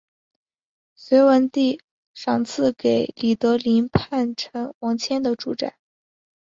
隋文帝赏赐给李德林叛臣王谦的住宅。